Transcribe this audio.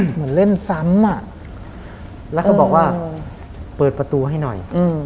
เหมือนเล่นซ้ำแล้วก็บอกว่าเปิดประตูให้หน่อย